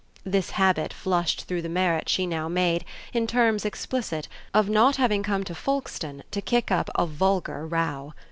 This habit flushed through the merit she now made, in terms explicit, of not having come to Folkestone to kick up a vulgar row.